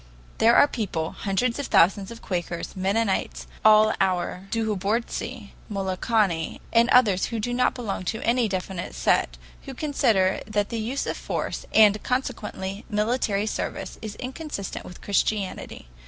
There are people, hundreds of thousands of Quakers, Mennonites, all our Douhobortsi, Molokani, and others who do not belong to any definite sect, who consider that the use of force and, consequently, military service is inconsistent with Christianity.